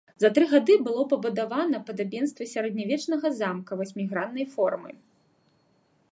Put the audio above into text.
За тры гады было пабудавана падабенства сярэднявечнага замка васьміграннай формы.